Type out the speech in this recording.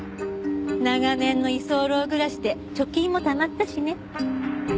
長年の居候暮らしで貯金もたまったしね。